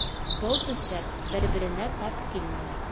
Был төҫтәр бер-беренә тап килмәй